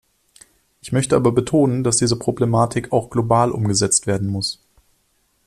Ich möchte aber betonen, dass diese Problematik auch global umgesetzt werden muss.